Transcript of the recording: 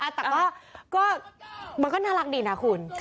แต่ก็มันก็น่ารักดีนะคุณ